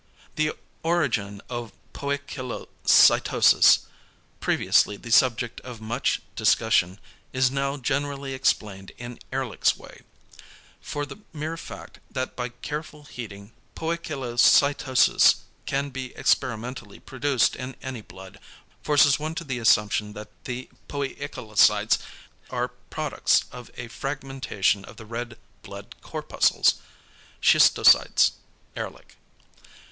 The origin of poikilocytosis, previously the subject of much discussion, is now generally explained in Ehrlich's way. For the mere fact, that by careful heating, poikilocytosis can be experimentally produced in any blood, forces one to the assumption that the poikilocytes are products of a fragmentation of the red blood corpuscles ("schistocytes," Ehrlich).